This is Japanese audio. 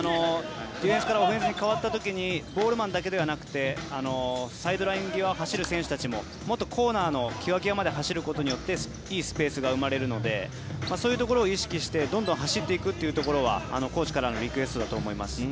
ディフェンスからオフェンスに変わった時にボールマンだけじゃなくてサイドライン際を走る選手たちももっとコーナーのきわきわで走ることによっていいスペースが生まれるのでそういうところを意識してどんどん走っていくというところはコーチからのリクエストだと思います。